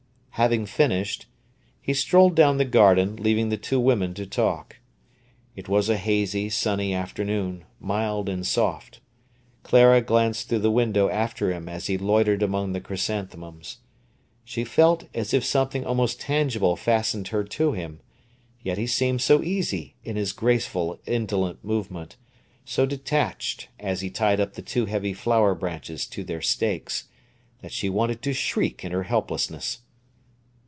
Having finished, he strolled down the garden, leaving the two women to talk. It was a hazy, sunny afternoon, mild and soft. Clara glanced through the window after him as he loitered among the chrysanthemums. She felt as if something almost tangible fastened her to him; yet he seemed so easy in his graceful, indolent movement, so detached as he tied up the too heavy flower branches to their stakes, that she wanted to shriek in her helplessness.